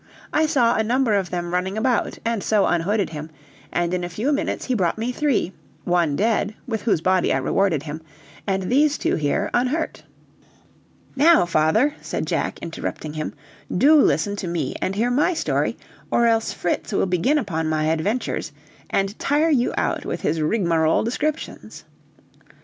I saw a number of them running about and so unhooded him, and in a few minutes he brought me three one dead, with whose body I rewarded him, and these two here, unhurt." "Now, father," said Jack, interrupting him, "do listen to me and hear my story, or else Fritz will begin upon my adventures and tire you out with his rigmarole descriptions."